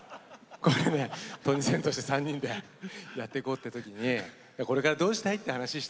これねトニセンとして３人でやっていこうって時に「これからどうしたい？」って話したんですよ。